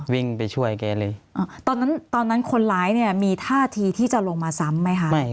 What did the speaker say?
วิ่งไปช่วยไก่เลย